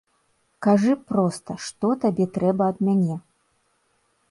Кажы проста, што табе трэба ад мяне?